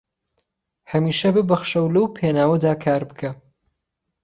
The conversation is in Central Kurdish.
هەمیشە ببەخشە و لەو پێناوەدا کار بکە